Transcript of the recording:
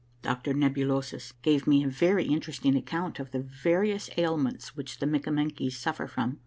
Doctor Nebulosus gave me a very interesting account of the various ailments which the Mikkamenkies suffer from.